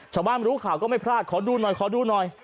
ชาวบ้านรู้ข่าวก็ไม่พลาดขอดูหน่อยขอดูหน่อย